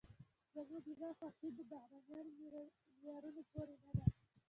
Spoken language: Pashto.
زموږ زړه خوښي د بهرني معیارونو پورې نه ده.